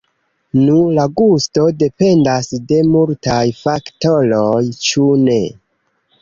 Nu, la gusto dependas de multaj faktoroj, ĉu ne?